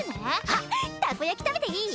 あたこ焼きたべていい？